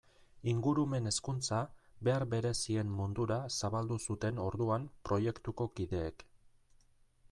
Ingurumen hezkuntza behar berezien mundura zabaldu zuten orduan proiektuko kideek.